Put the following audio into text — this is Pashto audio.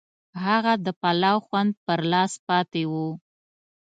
هغه د پلاو خوند پر لاس پاتې و.